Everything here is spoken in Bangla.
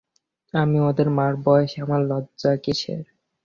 আমি ওদের মার বয়সী, আমার লজ্জা কিসের।